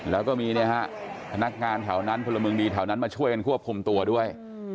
แล้วก็มีเนี่ยฮะพนักงานแถวนั้นพลเมืองดีแถวนั้นมาช่วยกันควบคุมตัวด้วย